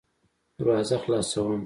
دروازه خلاصوم .